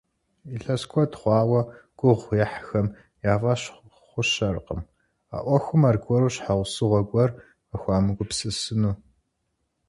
Илъэс куэд хъуауэ гугъу ехьхэм я фӀэщ хъущэркъым а Ӏуэхум аргуэру щхьэусыгъуэ гуэр къыхуамыгупсысыну.